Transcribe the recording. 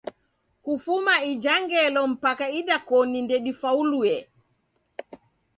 Kufuma ija ngelo mpaka idakoni ndedifauluye.